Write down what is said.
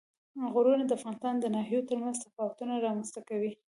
غرونه د افغانستان د ناحیو ترمنځ تفاوتونه رامنځ ته کوي.